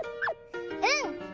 うん！